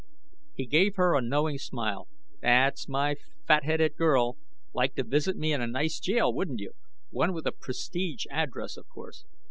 He gave her a knowing smile. "That's my fat headed girl. Like to visit me in a nice jail, wouldn't you? One with a prestige address, of course.